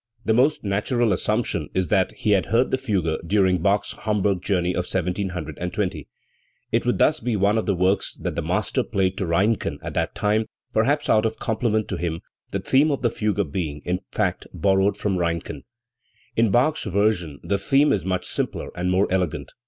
The most natural assumption is that he had heard the fugue during Bach's Hamburg journey of 1720. It would thus be one of the works that the master played to Reinken at that time, perhaps out of compliment to him, the theme of the fugue being, in fact, borrowed from Reinken*. In Bach's version the theme is much simpler and more elegant.